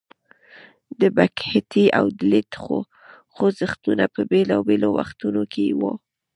د بکهتي او دلیت خوځښتونه په بیلابیلو وختونو کې وو.